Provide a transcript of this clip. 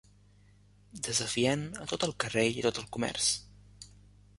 Desafiant a tot el carrer i a tot el comerç